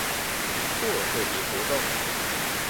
或特別活動